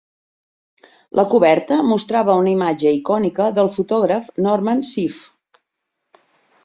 La coberta mostrava una imatge icònica del fotògraf Norman Seeff.